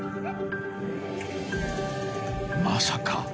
［まさか］